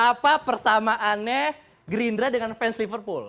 apa persamaannya gerindra dengan fans liverpool